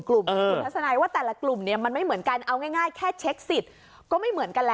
คุณทัศนัยว่าแต่ละกลุ่มเนี่ยมันไม่เหมือนกันเอาง่ายแค่เช็คสิทธิ์ก็ไม่เหมือนกันแล้ว